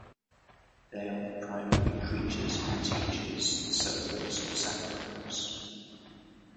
They are the primary preachers and teachers, celebrants of sacraments.